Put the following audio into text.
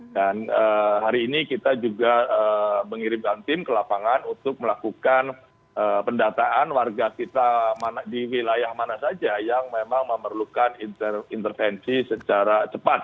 dan hari ini kita juga mengirimkan tim ke lapangan untuk melakukan pendataan warga kita di wilayah mana saja yang memang memerlukan intervensi secara cepat